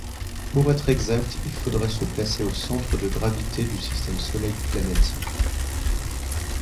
Pour être exact, il faudrait se placer au centre de gravité du système Soleil-planète.